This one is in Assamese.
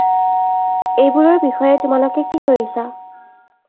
এইবোৰৰ বিষয়ে তোমালোকে কি কৰিছাঁ?